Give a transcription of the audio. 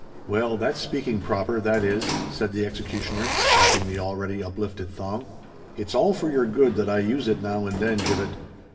"Well, that's speaking proper—that is," said the executioner, dropping the already uplifted thong. "It's all for your good that I use it now and then, Gibbet.